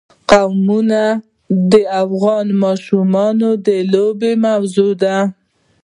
قومونه د افغان ماشومانو د لوبو موضوع ده.